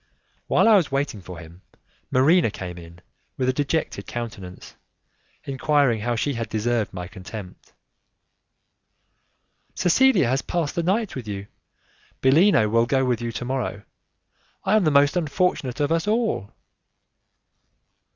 While I was waiting for him, Marina came in with a dejected countenance, enquiring how she had deserved my contempt. "Cecilia has passed the night with you, Bellino will go with you to morrow, I am the most unfortunate of us all."